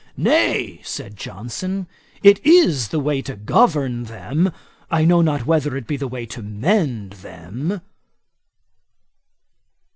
'Nay, (said Johnson,) it is the way to govern them. I know not whether it be the way to mend them.'